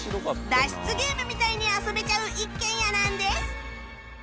脱出ゲームみたいに遊べちゃう一軒家なんです